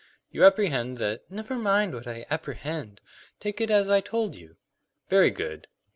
"You apprehend that " "Never mind what I 'apprehend.' Take it as I told you." "Very good.